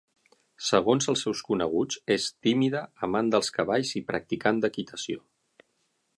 Segons els seus coneguts, és tímida, amant dels cavalls i practicant d'equitació.